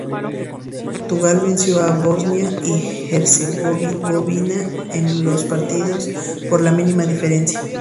Portugal venció a Bosnia y Herzegovina en los dos partidos por la mínima diferencia.